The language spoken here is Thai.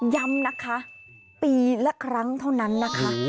ย้ำนะคะปีละครั้งเท่านั้นนะคะ